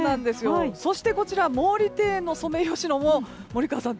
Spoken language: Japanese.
そして毛利庭園のソメイヨシノも森川さん